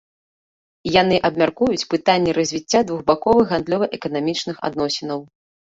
Яны абмяркуюць пытанні развіцця двухбаковых гандлёва-эканамічных адносінаў.